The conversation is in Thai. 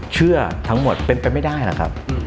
เชื่อทั้งหมดเป็นไปไม่ได้หรอกครับ